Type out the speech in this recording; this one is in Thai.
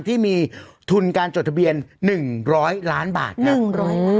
ที่มีทุนการจดทะเบียน๑๐๐ล้านบาทครับ